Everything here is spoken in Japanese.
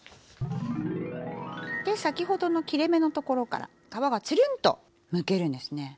で先ほどの切れ目のところから皮がつるんとむけるんですね。